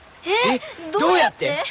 えっどうやって！？